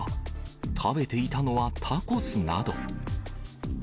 食べていたのはタコスなど。